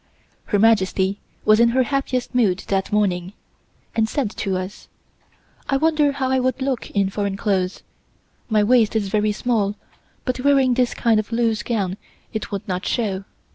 Her Majesty was in her happiest mood that morning and said to us: "I wonder how I would look in foreign clothes; my waist is very small, but wearing this kind of loose gown it would not show.